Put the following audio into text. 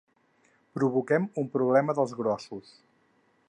Provoquem un problema dels grossos.